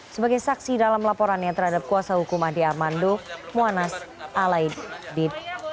sebagai saksi dalam laporannya terhadap kuasa hukum adi armando muwanaz alaidit